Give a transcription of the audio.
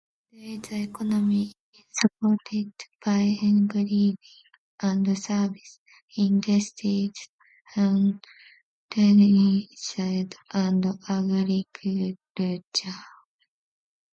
Today the economy is supported by engineering and service industries on Tyneside, and agriculture.